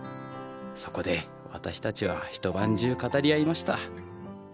そこで私たちは一晩中語り合いました。